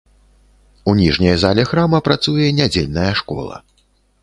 У ніжняй зале храма працуе нядзельная школа.